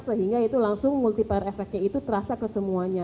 sehingga itu langsung multiplier efeknya itu terasa ke semuanya